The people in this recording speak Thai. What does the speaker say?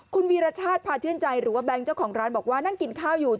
คุณวีรชาติพาชื่นใจหรือว่าแบงค์เจ้าของร้านบอกว่านั่งกินข้าวอยู่